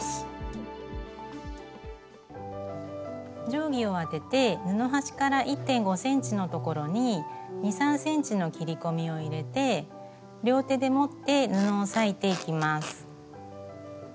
定規を当てて布端から１．５ｃｍの所に２３ｃｍの切り込みを入れて両手で持って布を裂いていきます。